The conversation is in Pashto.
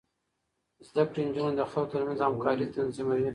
زده کړې نجونې د خلکو ترمنځ همکاري تنظيموي.